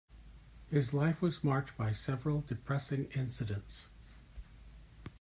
His life was marked by several depressing incidents.